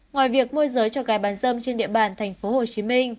ngoài việc mua giới cho gái bán dâm trên địa bàn tp hcm